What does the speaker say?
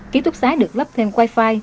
ký túc xá được lấp thêm wifi